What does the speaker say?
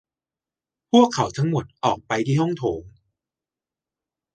พวกเขาทั้งหมดออกไปที่ห้องโถง